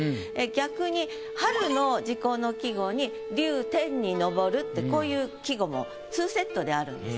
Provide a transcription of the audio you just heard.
逆に春の時候の季語に「龍天に登る」ってこういう季語もツーセットであるんですね。